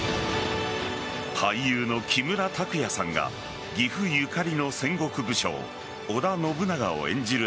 俳優の木村拓哉さんが岐阜ゆかりの戦国武将織田信長を演じる